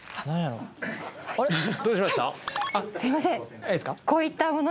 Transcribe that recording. すみません。